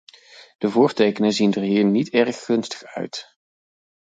De voortekenen zien er hier niet erg gunstig uit.